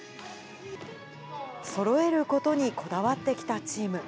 そろえることにこだわってきたチーム。